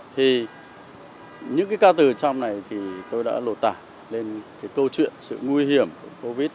thì những cái ca từ trong này thì tôi đã lột tả lên cái câu chuyện sự nguy hiểm của covid